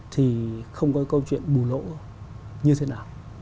thì không có câu chuyện bù lỗ như thế nào